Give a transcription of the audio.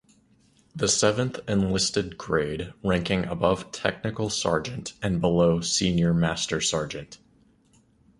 The seventh enlisted grade, ranking above technical sergeant and below senior master sergeant.